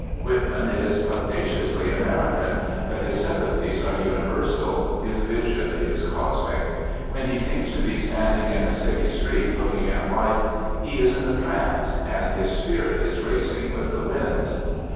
Whitman is pugnaciously American, but his sympathies are universal, his vision is cosmic; when he seems to be standing in a city street looking at life, he is in a trance, and his spirit is racing with the winds.